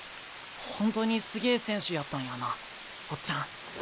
本当にすげえ選手やったんやなオッチャン。